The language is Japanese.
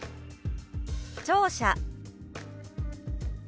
「聴者」。